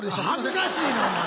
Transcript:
恥ずかしいなお前。